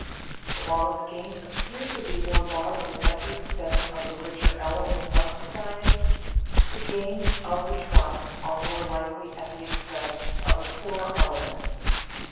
But while its gains appear to be more largely at the expense of the richer elements of society, the gains of the trust are more likely at the expense of the poorer elements.